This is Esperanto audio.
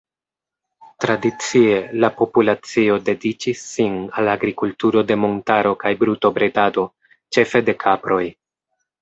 Tradicie la populacio dediĉis sin al agrikulturo de montaro kaj brutobredado, ĉefe de kaproj.